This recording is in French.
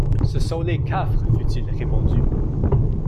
Ce sont les Cafres! fut-il répondu.